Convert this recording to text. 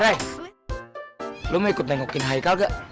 rai lu mau ikut tengokin haikal gak